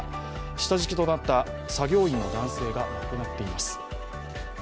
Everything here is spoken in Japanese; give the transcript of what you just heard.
下敷きとなった作業員の男性が亡くなっています。